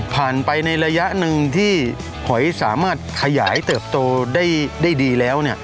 ไปในระยะหนึ่งที่หอยสามารถขยายเติบโตได้ดีแล้ว